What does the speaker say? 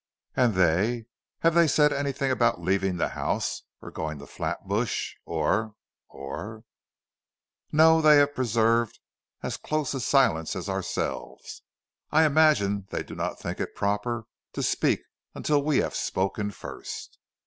"And they? Have they said anything about leaving the house, or of going to Flatbush, or or " "No; they have preserved as close a silence as ourselves. I imagine they do not think it proper to speak till we have spoken first."